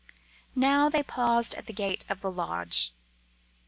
Now they paused at the gate of the lodge.